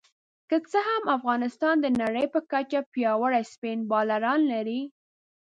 که څه هم افغانستان د نړۍ په کچه پياوړي سپېن بالران لري